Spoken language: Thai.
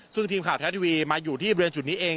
ซึ่งทีมข่าวไทยรัฐทีวีมาอยู่ที่บริเวณจุดนี้เอง